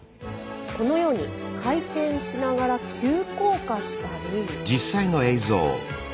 このように回転しながら急降下したり。